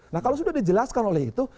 nah kalau sudah dijelaskan oleh itu